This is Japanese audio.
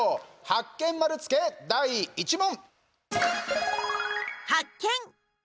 ハッケン丸つけ、第１問。